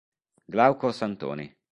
Glauco Santoni